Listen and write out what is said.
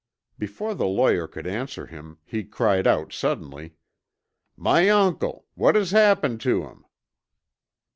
Before the lawyer could answer him, he cried out suddenly, "My uncle! What has happened to him!"